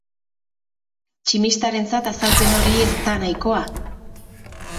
Tximistarentzat azalpen hori ez da nahikoa.